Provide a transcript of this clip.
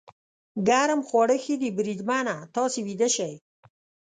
ګرم خواړه ښه دي، بریدمنه، تاسې ویده شئ.